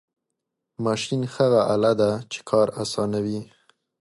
ماشین هغه آله ده چې کار آسانوي.